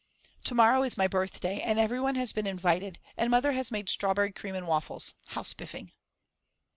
To morrow is my birthday and everyone has been invited and Mother has made strawberry cream and waffles. How spiffing.